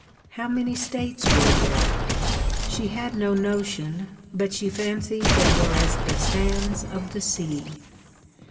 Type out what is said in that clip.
How many states were there? She had no notion, but she fancied they were as the sands of the sea.